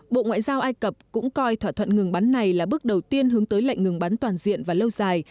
bộ ngoại giao ai cập cũng coi thỏa thuận ngừng bắn này là bước đầu tiên hướng tới lệnh ngừng bắn toàn diện và lâu dài